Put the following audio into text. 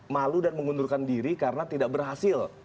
malu dan mengundurkan diri karena tidak berhasil